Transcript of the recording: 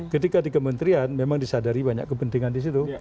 ketika di kementerian memang disadari banyak kepentingan di situ